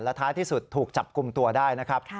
ท้ายที่สุดถูกจับกลุ่มตัวได้นะครับ